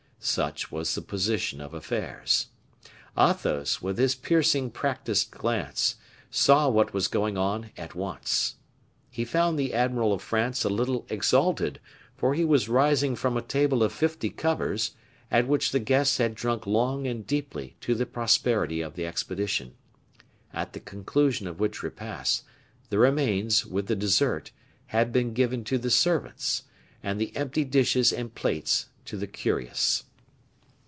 Such was the position of affairs. Athos, with his piercing practiced glance, saw what was going on at once. He found the admiral of France a little exalted, for he was rising from a table of fifty covers, at which the guests had drunk long and deeply to the prosperity of the expedition; at the conclusion of which repast, the remains, with the dessert, had been given to the servants, and the empty dishes and plates to the curious.